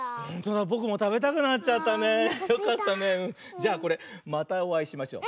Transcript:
じゃあこれまたおあいしましょう。